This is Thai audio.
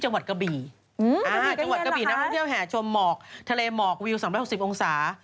กะบี่จังหวัดกะบี่นักท่องเที่ยวแห่ชมหมอกทะเลหมอกวิว๓๖๐องศา